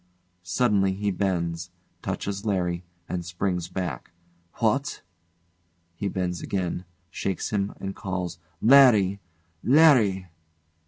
[Suddenly he bends, touches LARRY, and springs back.] What! [He bends again, shakes him and calls] Larry! Larry!